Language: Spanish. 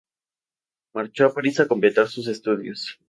Marchó a París a completar sus estudios.